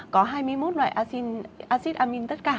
có hai mươi một loại acid amine tất cả